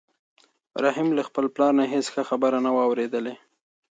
رحیم له خپل پلار نه هېڅ ښه خبره نه وه اورېدلې.